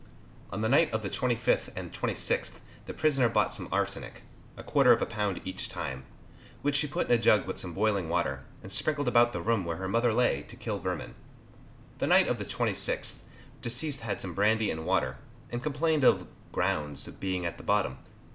On the 25th and 26th the prisoner bought some arsenic a quarter of a pound each time which she put in a jug with some boiling water, and sprinkled about the room where her mother lay to kill vermin. The night of the 26th deceased had some brandy and water, and complained of "grounds" being at the bottom.